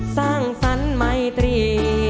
สร้างสรรค์ไมตรี